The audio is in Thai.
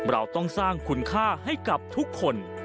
เราต้องสร้างคุณค่าให้กับทุกคน